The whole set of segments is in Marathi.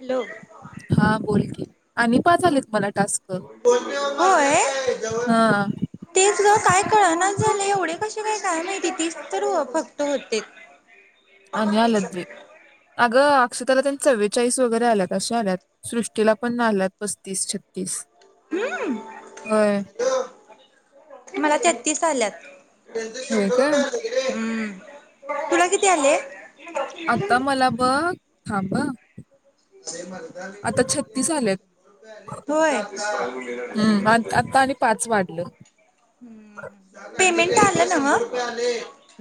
हॅलो हा बोल की. आणि पाच आलेतं मला. टास्क होय हा तेच ग काय कळेना झाले एवढे कसे काय. काय माहिती तीस तर फक्त होते. आणि आल्यात बाई अग. [unintelligible] चाळीस वगैरे आल्यात अशे आल्यात सृष्टीला. पण आलात पस्तीस छत्तीस. हम्म होय. मला तैतीस आल्यात. होय का हम्म. तुला किती आलेय. आता मला बघ. थांब. आता छत्तीस आलेत होय हम्म हम आत- आता आणि पाच वाढलं पेमेंट आलं नव्ह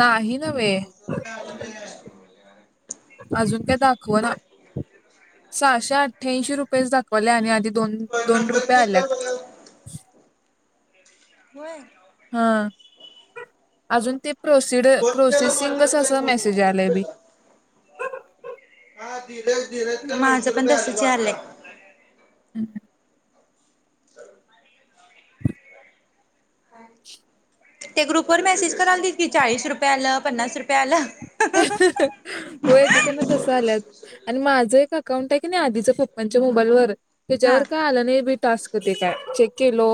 नाही नव्हे अजून काय दाखवना सहाशे अठठ्याऐंशी रुपयच दाख.. वालय आणि आधी दोन दोन रुपये आल्यात. होय हा अजून ते.. प्रोसिड प्रोसेसिंगच असं मेसेज आलाय बी माझं पण तसच यालंय हम् [inaudible] ते ग्रुप वर मेसेज करालती कि चाळीस रुपय आल, पन्नास रुपय आल. हो एकेकांना तस आल्यात, आणि माझं एक अकाउंट आहे का नाही आधीच्या पप्पांच्या मोबाईलवर हा त्याच्यावर काय आलं नाही बी टास्क ते काय चेक.. केलो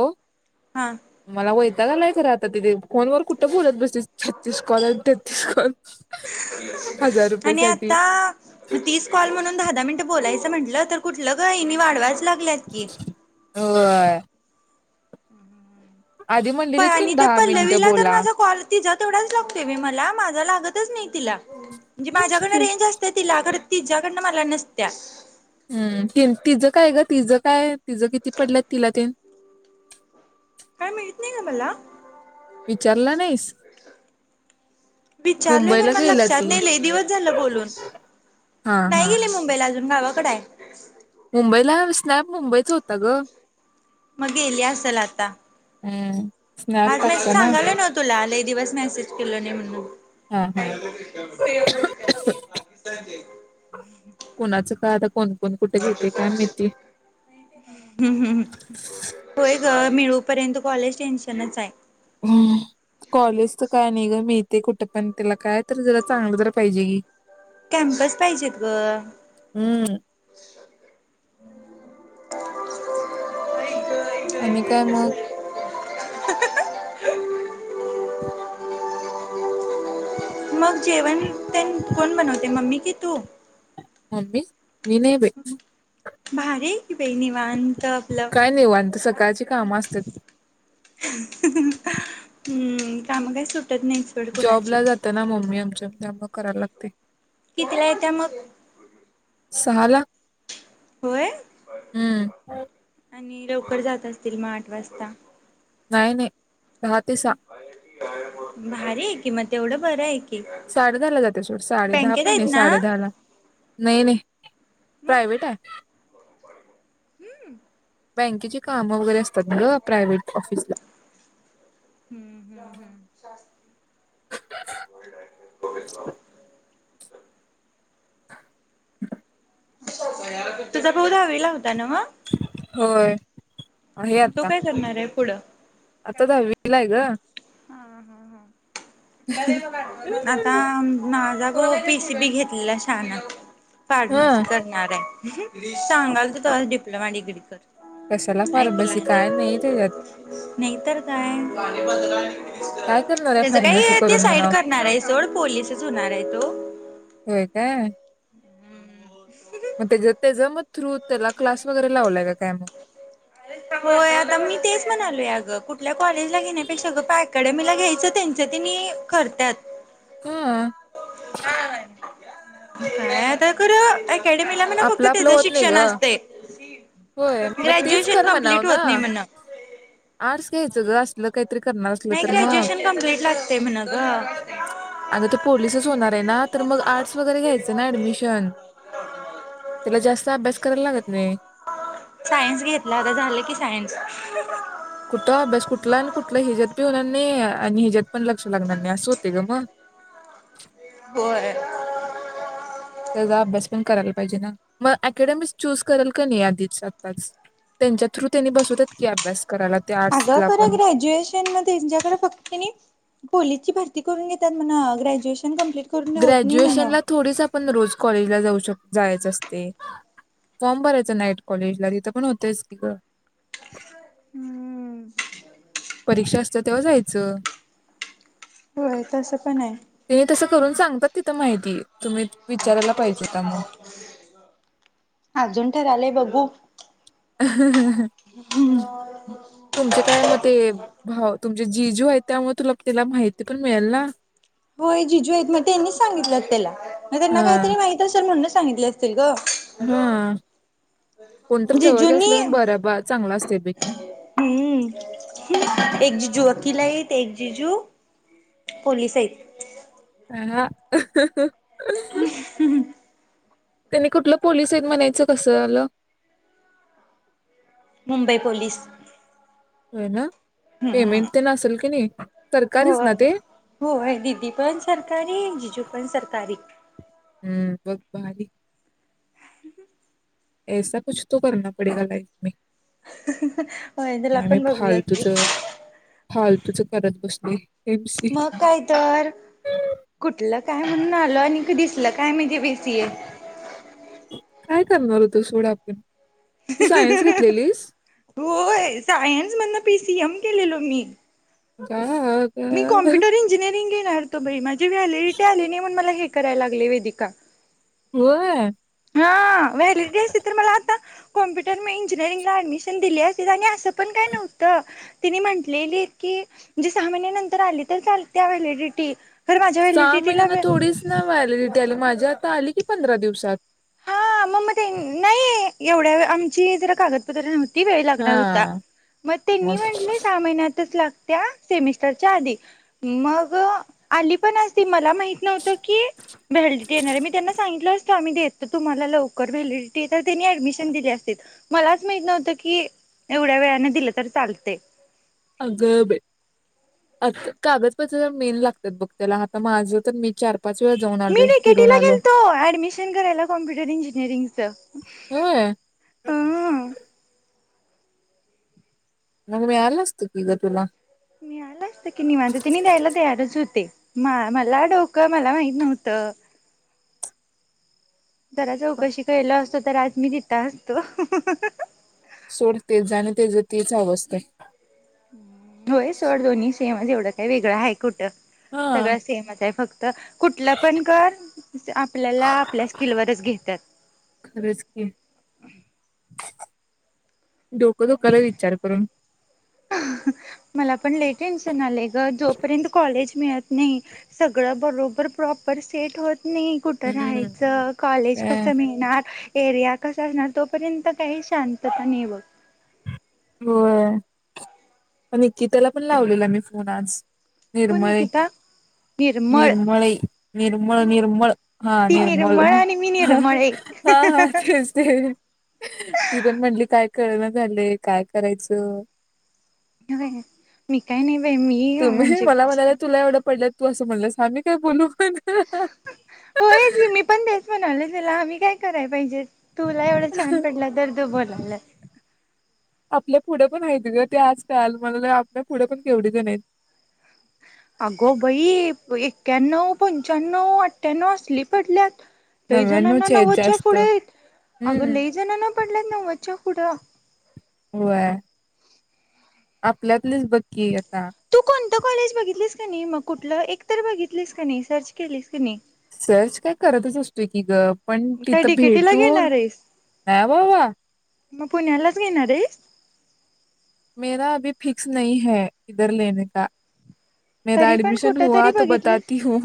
हा मला वयताग आलाय खरं आता तिथे फोनवर कुठं बोलत बसतीस छत्तीस कॉल आणि तेत्तीस कॉल हजार रुपये आणि साठी आता तीस कॉल म्हणून दहा दहा मिनिटं बोलायचं म्हटलं, तर कुठलं ग! हिनी वाढवायचं.. लागल्यात की होय हम् हम आधी हम प म्हणलेलीत की आणि त्या दहा मिनिटं पल्लवीला तर बोला माझा काॅल, तिचा तेवढाच लागतो बाई मला माझा लागतच नाही तिला म्हणजे माझ्याकडे रेंज असते तिला खर.. तिच्याकडनं मला नसत्या. हम् तिचं काय ग तिचं काय तिचं किती पडल्यात तिला तेन काय माहित नाही ग मला विचारला नाहीस विचारलेल मुंबईला पण गेला लक्षात ती नाही लय दिवस झालं बोलून, हा नाही हा गेले मुंबईला अजून गावाकड आहे मुंबईला स्नॅप मुंबईचा होता ग मग गेली असल आता हम्म स्नॅप आज नाही टाकताना सांगालोय नव तुला लय.. दिवस मॅसेज केलो नाही म्हणून हा हा सेम दिसण्यात सेम.. पाकिस्तानचे आहेत कोणाचं काय आता कोण कोण कुठे घेते काय माहिती हम्म हम् हो मिळू पर्यंत कॉलेज टेनशनच आहे हम् कॉलेज तर काय नाही ग मी ते कुठं पण त्याला काय तर जरा चांगलं ज पाहिजे की कॅम्पस पाहिजेत ग हम्म का अम का आहे मग मग जेवण प कोण बनवते मम्मी कतो ममी मी नाही बाई भारी बाई निवांत आपलं सकाळचे काम असतात हम्म काम कायच जॉब ला जात ना मम्मी आमच्या त्यामुळे करायला लागते कितीला येत्या मग सहाला होय हम्म आणि लवकर जात असतील मग आठ वाजता नाही नाही दहा ते सहा भारी आहे की मग तेवढं बरं आहे की साडे दहा ला जाते शवट साडे दहा बँकेत पण आहेत नाही ना साडे दहा ला नाही नाही मग प्रायव्ट आहे हम्म बँकेचे काम वगैरे असतात म प्रायव्हेट ऑफिसला हम्म हम्म हम्म [unintelligible] [unintelligible] तुझा भाऊ दहावीला ला होता ना मग हो हे तो आता काय करणार आहे पुढं आता वी ला आहे ग हा हा हा आता माझा हो पीसी बी घेतलेला शान फार्मसी हा करणार आहे हे सांगालतो तवा डिप्लोमा डिग्री कशाला कर ऐकला फार्मसी नाही काय त्याच्यात नाही तर काय काय करणार आहे त्यांचं फार्मसी काही ते करून साईड म्हणा करणार आहे सोड पोललीसच होणार आहे तो होय काय मग तेजेत तेज मत त्रुत त्या क्लास वगैरे लावलाय का काय मग होय आता मी तेच म्हणालोय अगं कुठल्या कॉलेज ला घेण्यापेक्षा ग पा अकॅडमीला घ्यायचं त्यांच तेनी करत्यात हम ह त्याकर आपलं आपलं होत नाही ग होय मग तेच ग्रॅज्युएशन खर म्हणाव कंप्लीट ना होत नाही म्हण. आर्टस घ्यायच ग अस लोक करनार असल नाही तर मग ग्रॅज्युएशन कम्प्लीट लागते म्हण ग अग तो पोलीसच होणारेना ना तर मग आर्ट्स वगैरे घ्यायचं ना ऍडमिशन त्याला जास्त अभ्यास करायला लागत नाही सायन्स घेतला आता झालं की सायन्स. कुठ अभ्यास कुठला आणि कुठला हिजत बी होणार नाही आणि हिजत पण लक्ष लागणार नाही असं होते ग मग- होय त्याजा अभ्यास पण करायला पाहिजे ना मग अकॅडमिक्स चूज केल का नाही आधीच आताच त्यांच्या थ्रू त्यांनी बसवतात की अभ्यास. करायला त्या अगं आर्ट्सला खर पण ग्रॅज्युएशन मध्ये त्यांच्याकडे फक्त नाही पोलीसची भरती करून घेतात म्ह ग्रॅज्युएशन कंप्लीट करून होत नाही म्हण ग्रॅज्युएशनला थोडीच आपण रोज कॉलेजला जाऊ शकतो जायचं असते फॉर्म भरायचं नाईट कॉलेजला तिथं पण होतयच की ग हम्म परीक्षा असत तेव्हा जायचं हम तसं पण आहे त्यांनी तसं करून सांगतात तिथं माहिती तुम्ही विचारायला पाहिजे होता मग अजून ठरालय बघू ह ह ह काय मग ते भाव हम्म तुमचे जीजू आहेत त्यामुळे तुला तिला माहिती पण मिळेल ना होय जिजू आहेत मग त्यांनीच सांगितलं त्याला मग त्यांना हा काहीतरी माहित असेल म्हणून सांगितले असतील ग. हा कोणतर जवळच जिजूंनी असलं ना बरं बा चांगला असते बी हम्म एक जिजू किला येत एक जिजू पोलिस आहेत. अं हं [unintelligible] [unintelligible] त्यांनी कुठलं पोलीस आहेत म्हणायचं कसं आलं मुंबई पोलीस होय ना पेमेंट हम्म ते असेल की नाही सरकारीच होय ना ते होय दिदी पण सरकारी जिजू पण सरकारी हम्म, बघ भारी [unintelligible] [unintelligible] होय हे तिला आम्ही पण बघूया की. तुझं करतत बसलोय. मग काय तर कुठलं का काय म्हणून आलो आणि दिसल काय म्हहितीे बे सी ए काय करणार होतो सोड आपण. तू सायन्स घेतलेलीस [unintelligible] होय सायन्स मदन पीसीएम केलेलो. पुणे [unintelligible] मी का? कॉम्प्युटर इंजिनिरिंग आहे. [unintelligible] ते व्हॅलेटी आले नाही म्हणून मला हे कराय लागले वेदिका होय हां व्हॅलडी असते तर मला आता कॉम्प्युटर मग इंजिनअरिंग आणि ऍडमिशन दिली असती आणि अस तिथ पण काय नव्हतं. तिने म्हटलेली की जिस सहा महिन्या नंतर आली तर चालत्या व्हॅलिडिटी खरं माझ्या सहा व्हॅलिडिटीला महिन्यांना थोडीच ना व्हॉलीडिटी आली माझ्या आता आली की पंधरा दिवसात ह मग मग ते नाही एवढ्या आमची जरा कागदपत्र नव्हती. किती वेळ हा लागणार होता मग त्यांनी म्हटले सहा महिन्यातच लाग त्या सेमिटरच्या आधी मग आली पण असती मला माहित नव्हतं की व्हालिडिटी येणार मी त्यांना सांगितलं असतं आम्ही देतो तुम्हाला. लवकर व्हॉलीडिटी त्यांनी ऍडमिशन दिली असतीत मला माहीत नव्हत की एवढ्या वेळाने दिलं तर चालतंय अगं बाई कागदपत्र तर मेन लागत्यात बघ त्याला आता माझं तर मी चार पाच वेळा जाऊन मी आलोय डी के टी फिरून ई आलो गेलतो ऍडमिशन करायला कॉम्प्युटर इंजिनिअरिंगच होय मग मी मिळालं असत की ग तुला मिळालअसत की निवांत त्यांनी द्यायला तयारच होते. मा मला डोकं मला माहित नव्हत जरा चौकशी केल असतो तर आज मी तिता असतो. सोड ते जा आणि तेज तीच अवसस्थाय. होय सोड दोन्ही सेम एवढ. काही वेगळा आहे. कुठं हा सगळं सेमच आहे फक्त तर कुठलं पण कर आपल्याला आपल्या स्किलवरच घेतात. खरंच की डोकं दुखायल विचार करून. मला पण ल टेन्शन आले ग जोपर्यंत कॉलेज मिळा नाही सगळं बरोबर प्रॉपर सेट होत नाही कुठं हम्म राहायचं कॉलेज काय कसं मिळणार? एरिया कस असणार तोपर्यंत काही शांतता नाही बघ. होय पण निकीताला पण लावलेला मी फोन आज. कोण निर्मळे निकिता निर्मळ निर्मळे निर्मळ निर्मळ हा ती निर्मळ आणि मी हा निर्मळ आहे. हा तेच ते ती पण म्हटली काय कळना. झाले. काय करायचं. मी काय नाही. बाई मी तुम्ही म्हणजे मला म्हणाल्या तुला एवढं पडलंत. तू असं म्हणलं सा आ् काय बोलू? पण हो येच की मी पण तेस म्हणाले. त्याला आम्ही काय कराय पाहिजेते? तुला एवढं छान पडला दर्द बोल. प. आपल्या पुढे पण हायात ग, ते आज काल म्हणाल्यात आपल्या पुढे पण केवढे जनयेत. आगो बाई एक्क्याण्व पंच्याण्णव अठठ्याण्णव अससली पडल्यात. लई जणांना नव्याण्णवचे आहेत नवच्या जास्त पुढे, अगं हम्म लई जणांना पडलेत नव्वदच्या पुढे. कुंड. व आपल्यातलीच बक्की. तू कोणत कॉलेज बघितलीस. काई नाही मग कुठलं एकतरी बघितलीस का नाई सर्च केलीस की नाई? सर्च काय करतच असतोय की ग. पण काय तिथं डी के टी ला भेटून घेणार आहेस नाई बाबा. मग पुण्यालाच घेणारेस? मेरा अभी फिक्स नाही है इधरलेने का. मेरा तरी पण ऍडमिशन कुठ हुआ तरी तो बघितली बताती हूँ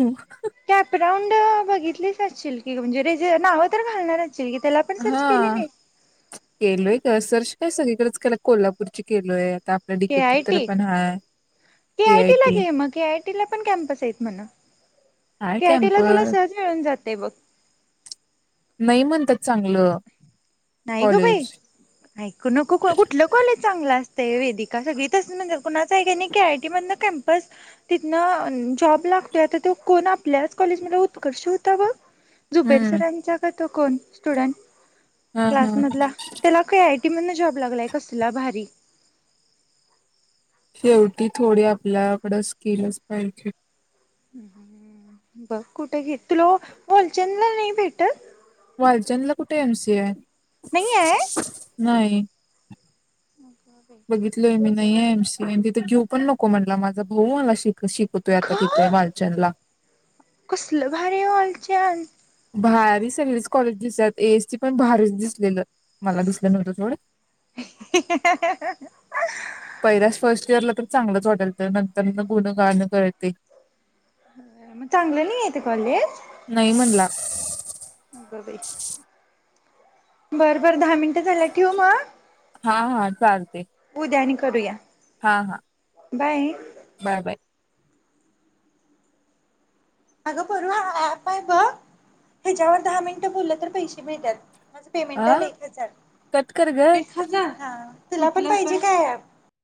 कॅपराऊंड बघितलीच असशील? म्हजे जे नावं तर घालणार? असशील की त्याला पण हा सर्च केली नाही केलोय का सरश काय सगितल. रंच कोल्हापूर केलोय. आपल्या के डिकेटीत आय तर टी पण हाय के ए आय आयटी ला टी घे मग के आयटी ला पण कॅमपस आहेत. म्हणा काय के आयटीला तुला कॅम्पस सज मिळून जात. तेव नाही म्हणतात. चांगलं, नाही ग बाई कॉलेज ऐकू नको कुठलं कॉलेज चांगलं असत. ते वेदिका सगळीच म्हणज कुणाच के आयटी मध कॅम्पस तिथन जॉब लागतोय तो कोण आपल्याच कॉलेज म उत्कर्ष होता ब झुबेर हम्म सरांच्या तो कोण स्टुडंट हा क्लास हा मधला त्याला काय आहे. कि म्हण जॉब लागलाय कसला भारी, शेवटी थोडी आपल्याकडे स्किलच पाहिजे. बघ कुठे घेत तु लो बोलचनला नाही भेटत. वालचनला कुठे एम सी आहे नाही आहे नाही. हो बघितलंय मी, नाहीे एमसी एम तिथं घेऊ पण नको, म्हटला माझा भाऊ मला शिकवतो. शिकतोय आता का तिथय मालचन ला कसलं भारी वालच्याल. भारी सगळीच कॉलेज दिसतात ए एसटी पण भारीच दिसलेलं. मला दिसलं नव्हतं थोडं पैरास फर्स्ट इयरला तर चांगलंच होॉटेल आहे. नंतर म गुणगणं करते. मग चांगलं नाही इथ कॉलेज नाही म्हणला का बरं बर दहा मिनटं झाल्या ठेवू मग.. हा हा चालते. उद्या आणि करूया हा हा बाय बाय, बाय, अगं बरू प आहे. बघ ह्याच्यावर दहा मिनिटं बोललं तर पैसे मिळतात. माझ पेमेंट अ आलं एक हजार कट कर ग एक हजार हा तुला पण पाहिजे काय